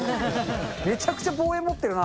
めちゃくちゃ望遠持ってるな。